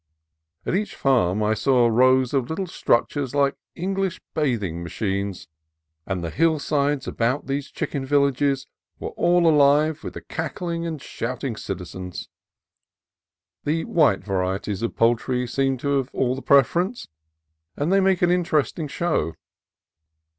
At each farm I saw rows of little structures like English bathing ma chines, and the hillsides about these chicken villages were all alive with the cackling and shouting citi zens. The white varieties of poultry seem to have all the preference, and they make an interesting show.